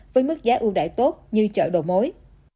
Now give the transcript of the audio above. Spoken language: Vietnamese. với mức giá ưu đại tốt như chợ đồ mối